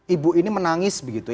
ibu ini menangis begitu ya